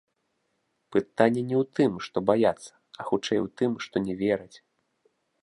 Пытанне не ў тым, што баяцца, а хутчэй у тым, што не вераць.